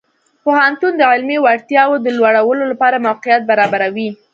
پوهنتون د علمي وړتیاو د لوړولو لپاره موقعیت برابروي.